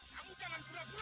kamu jangan pula pula